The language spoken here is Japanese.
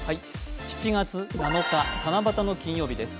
７月７日、七夕の金曜日です。